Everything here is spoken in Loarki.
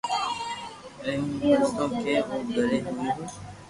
ايوہ ڀجيو ڪي او گري ھيو پر